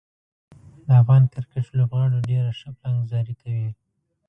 د افغان کرکټ لوبغاړو ډیر ښه پلانګذاري کوي.